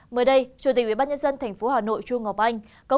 mới đây chủ tịch ubnd tp hà nội trung ngọc anh có cuộc tiếp xúc cửa chê quốc tế